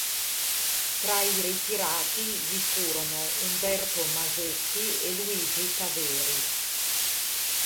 Tra i ritirati vi furono Umberto Masetti e Luigi Taveri.